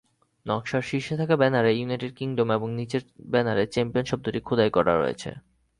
নকশার শীর্ষে থাকা ব্যানারে "ইউনাইটেড কিংডম" এবং নিচের ব্যানারে "চ্যাম্পিয়ন" শব্দটি খোদাই করা রয়েছে।